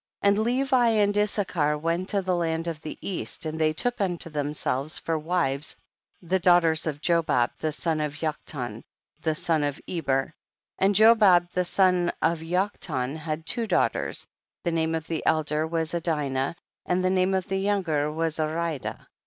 5. And Levi and Issachar went THE BOOK OF JASIIER. 143 to the land of the east, and they took unto themselves for wives the daughters of Jobab the son of Yok tan, the son of Eber ; and Jobab the son of Yoktan had two daughters ; the name of the elder was Adinah, and the name of the younger was Aridah.